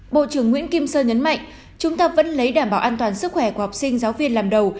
bộ trưởng nguyễn kim sơn nhấn mạnh chúng ta vẫn lấy đảm bảo an toàn sức khỏe của học sinh giáo viên làm đầu